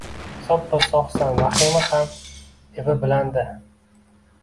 “Soppa-sogʼsan, vahima ham evi bilan-da!”